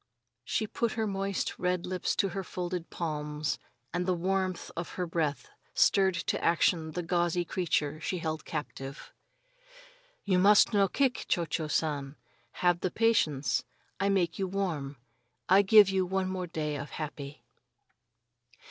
She put her moist red lips to her folded palms and the warmth of her breath stirred to action the gauzy creature she held captive. "You no must kick, Cho Cho San! Have the patience. I make you warm, I give you one more day of happy."